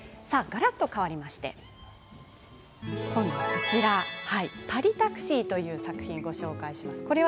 がらっと変わりまして「パリタクシー」という作品をご紹介します。